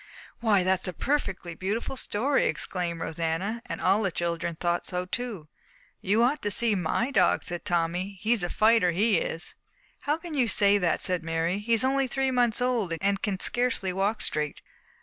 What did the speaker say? "Why, that's a perfectly beautiful story!" exclaimed Rosanna, and all the children thought so too. "You ought to see my dog," said Tommy. "He's a fighter, he is!" "How can you say that?" said Mary. "He is only three months old and can scarcely walk straight."